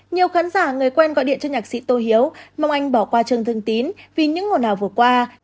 các khán giả người quen gọi điện cho nhạc sĩ tô hiếu mong anh bỏ qua chương thương tín vì những ngồi nào vừa qua